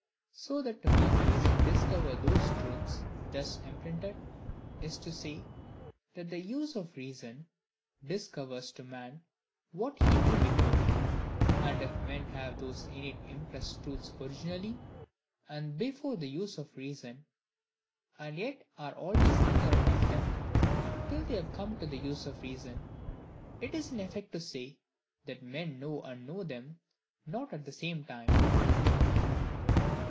So that to make reason discover those truths thus imprinted, is to say, that the use of reason discovers to a man what he knew before: and if men have those innate impressed truths originally, and before the use of reason, and yet are always ignorant of them till they come to the use of reason, it is in effect to say, that men know and know them not at the same time.